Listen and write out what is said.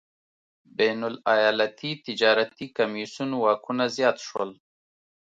بین الایالتي تجارتي کمېسیون واکونه زیات شول.